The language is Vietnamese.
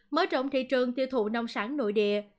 mở rộng thị trường tiêu thụ nông sản nội địa